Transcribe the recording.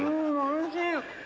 おいしい！